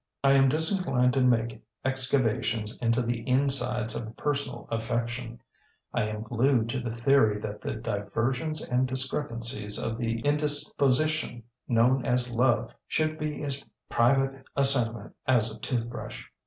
I am disinclined to make excavations into the insides of a personal affection. I am glued to the theory that the diversions and discrepancies of the indisposition known as love should be as private a sentiment as a toothbrush.